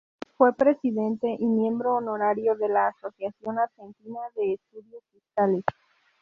Fue Presidente y miembro honorario de la Asociación Argentina de Estudios Fiscales.